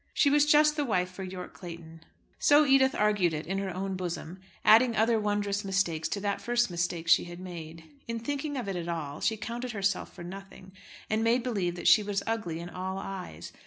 She was just the wife for Yorke Clayton. So Edith argued it in her own bosom, adding other wondrous mistakes to that first mistake she had made. In thinking of it all she counted herself for nothing, and made believe that she was ugly in all eyes.